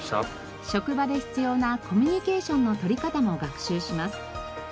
職場で必要なコミュニケーションの取り方も学習します。